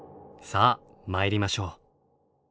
さあ参りましょう。